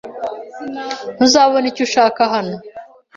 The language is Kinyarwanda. Ntuzabona icyo ushaka hano